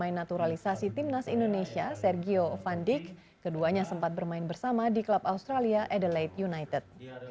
pemain naturalisasi timnas indonesia sergio vandik keduanya sempat bermain bersama di klub australia adelaide united